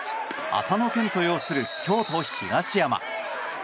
麻野堅斗擁する京都・東山。